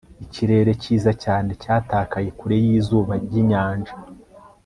Ikirere cyiza cyane cyatakaye kure yizuba ryinyanja